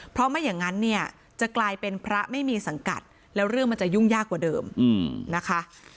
เพราะไม่อย่างนั้นเนี่ยจะกลายเป็นพระไม่มีสังกัดแล้วเรื่องมันจะยุ่งยากกว่าเดิมนะคะ